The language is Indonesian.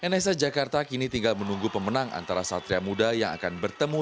nsa jakarta kini tinggal menunggu pemenang antara satria muda yang akan bertemu